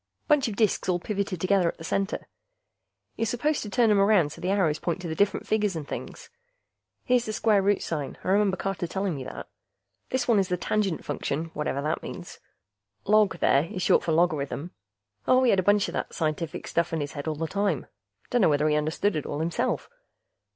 Bunch of disks all pivoted together at the center; you're supposed to turn 'em around so the arrows point to the different figures and things. Here's the square root sign, I remember Carter telling me that. This one is the Tangent Function, whatever that means. Log, there, is short for logarithm. Oh, he had a bunch of that scientific stuff in his head all the time; dunno whether he understood it all himself.